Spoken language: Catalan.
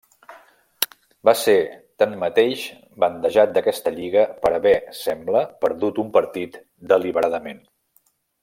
Va ser tanmateix bandejat d'aquesta lliga per haver, sembla, perdut un partit deliberadament.